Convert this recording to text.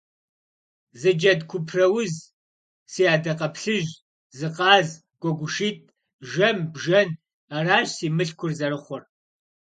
Зы джэд купрауз, сы адакъэплъыжь, зы къаз, гуэгушитӏ, жэм, бжэн, аращ си мылъкур зэрыхъур.